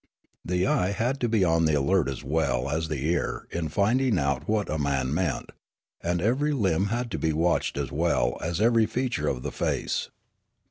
The eye had to be on the alert as well as the ear in finding out what a man meant ; and every limb had to be watched as well as every feature of the face.